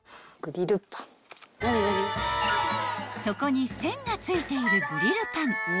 ［底に線がついているグリルパン］